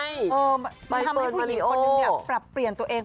ทำให้ผู้หญิงคนนึงเนี่ยปรับเปลี่ยนตัวเอง